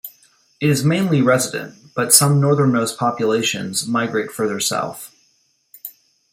It is mainly resident, but some northernmost populations migrate further south.